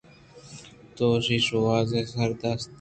دوشی شوازر دیست